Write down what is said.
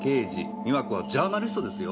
美和子はジャーナリストですよ？